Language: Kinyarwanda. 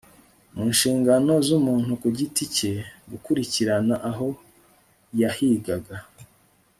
Mu nshingano zumuntu ku giti cye gukurikira aho yahigaga